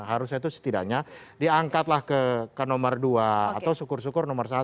harusnya itu setidaknya diangkatlah ke nomor dua atau syukur syukur nomor satu